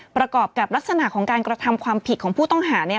ประกอบกับลักษณะของการกระทำความผิดของผู้ต้องหาเนี่ย